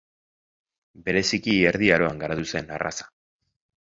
Bereziki erdi aroan garatu zen arraza.